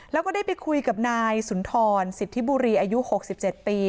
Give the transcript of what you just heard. แล้วก็ได้ไปคุยกับนายสุนทรสิทธิบุรีอายุ๖๗ปี